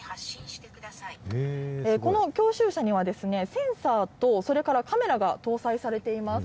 この教習車にはセンサーと、それからカメラが搭載されています。